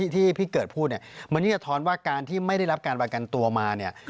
ที่พี่เกิดพูดเนี่ยมันยิ่งสะท้อนว่าการที่ไม่ได้รับการประกันตัวมาเนี่ย